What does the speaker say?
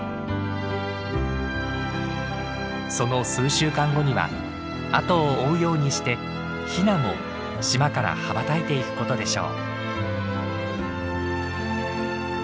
その数週間後には後を追うようにしてヒナも島から羽ばたいていくことでしょう。